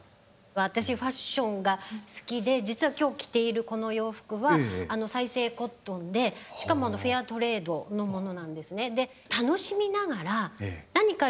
私ファッションが好きで実は今日着ているこの洋服は再生コットンでしかもフェアトレードのものなんですね。